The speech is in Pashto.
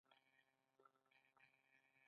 په دې دوره کې انسانان مجبور وو.